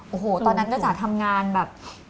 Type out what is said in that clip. โอ้โหตอนนั้นจ้าจ๋าทำงานแบบ